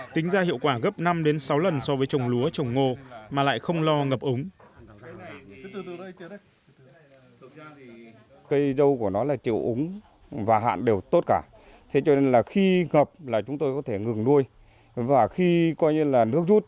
tính ra hiệu quả gấp năm sáu lần so với trồng lúa trồng ngô mà lại không lo ngập ống